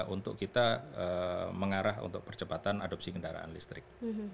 untuk kita mengarah untuk percepatan adopsi kendaraan listrik